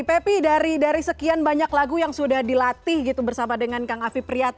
pepi dari sekian banyak lagu yang sudah dilatih gitu bersama dengan kang afi priyat